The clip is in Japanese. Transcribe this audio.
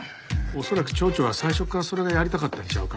恐らく町長は最初からそれがやりたかったんちゃうか？